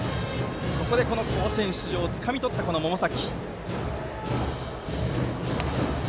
そこで、この甲子園出場をつかみ取った百崎。